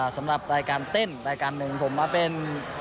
สำหรับรายการเต้นรายการหนึ่งผมมาเป็น